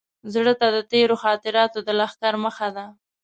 زړه ته د تېرو خاطراتو د لښکر مخه ده.